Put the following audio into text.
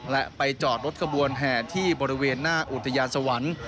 และไปจอดรถกระบวนแห่ที่บริเวณหน้าอุทยานสวรรค์